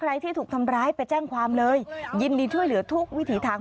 ที่ถูกทำร้ายไปแจ้งความเลยยินดีช่วยเหลือทุกวิถีทาง